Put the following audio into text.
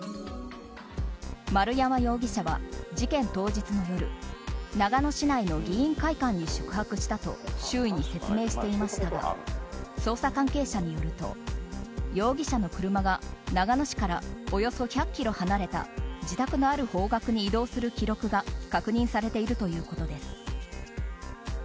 丸山容疑者は事件当日の夜長野市内の議員会館に宿泊したと周囲に説明していましたが捜査関係者によると容疑者の車が長野市からおよそ１００ｋｍ離れた自宅のある方角に移動する記録が確認されているということです。